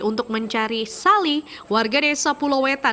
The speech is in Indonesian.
untuk mencari sali warga desa pulau wetan